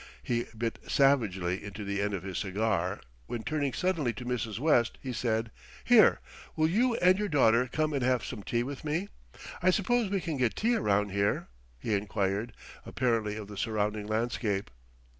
He bit savagely into the end of his cigar, when turning suddenly to Mrs. West he said, "Here, will you and your daughter come and have some tea with me? I suppose we can get tea around here?" he enquired, apparently of the surrounding landscape.